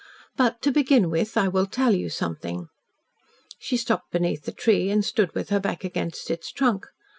But to begin with, I will tell you something." She stopped beneath the tree and stood with her back against its trunk.